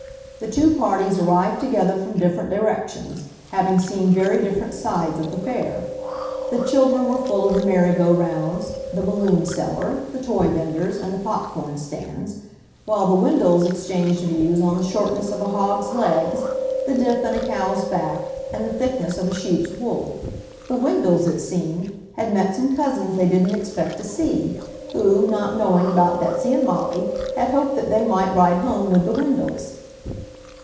The two parties arrived together from different directions, having seen very different sides of the Fair. The children were full of the merry go rounds, the balloon seller, the toy venders, and the pop corn stands, while the Wendells exchanged views on the shortness of a hog's legs, the dip in a cow's back, and the thickness of a sheep's wool. The Wendells, it seemed, had met some cousins they didn't expect to see, who, not knowing about Betsy and Molly, had hoped that they might ride home with the Wendells.